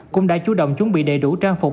cũng đã chủ động chuẩn bị đầy đủ trang phục